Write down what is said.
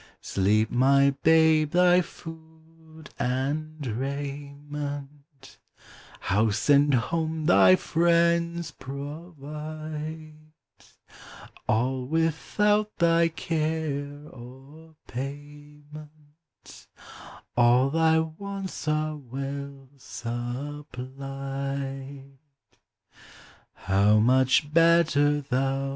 Sleep, my babe; thy food and raiment, House and home, thy friends provide; All without thy care or payment, All thy wants are well supplied. How much better thou